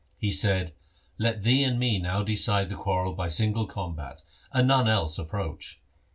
He said, ' Let thee and me now decide the quarrel by single combat, and none else approach.'